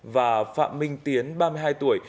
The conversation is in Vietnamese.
và phạm minh tiến ba mươi hai tuổi